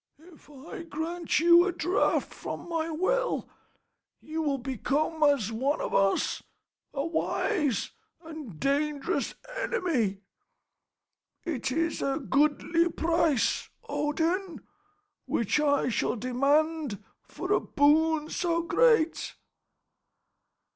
If I grant you a draught from my well, you will become as one of us, a wise and dangerous enemy. It is a goodly price, Odin, which I shall demand for a boon so great."